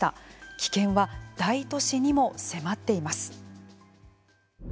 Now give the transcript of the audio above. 危険は大都市にも迫っています。